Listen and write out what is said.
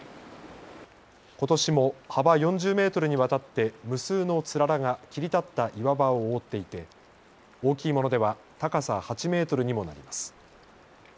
ことしも幅４０メートルにわたって無数のつららが切り立った岩場を覆っていて大きいものでは高さ８メートルにもなります。